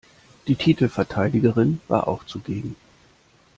Die Titelverteidigerin war auch zugegen.